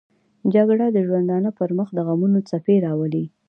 جګړه د ژوندانه پر مخ دغمونو څپې راولي